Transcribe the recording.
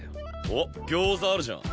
おっ餃子あるじゃん。